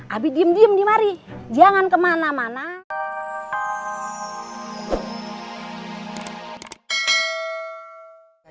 abi diem diem nih mari jangan kemana mana